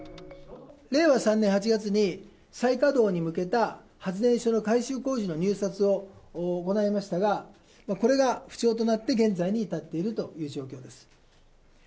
令和３年８月に再稼働に向けた発電所の改修工事の入札を行いましたが、これが不調となって現在に至っているという状況です。